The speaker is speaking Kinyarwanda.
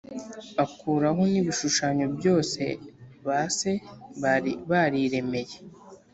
akuraho n’ibishushanyo byose ba se bari bariremeye